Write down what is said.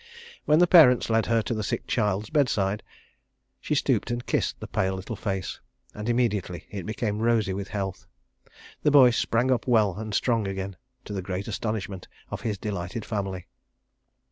When the parents led her to the sick child's bedside, she stooped and kissed the pale little face and immediately it became rosy with health. The boy sprang up well and strong again, to the great astonishment of his delighted family.